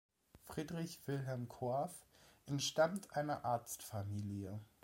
Friedrich Wilhelm Korff entstammt einer Arztfamilie.